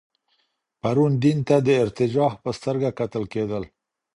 پرون دين ته د ارتجاع په سترګه کتل کېدل.